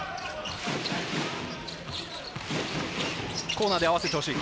コーナーで合わせてほしい。